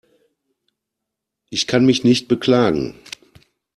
Ich kann mich nicht beklagen.